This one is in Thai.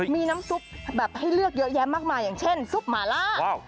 มีน้ำซุปแบบให้เลือกเยอะแยะมากมายอย่างเช่นซุปหมาล่า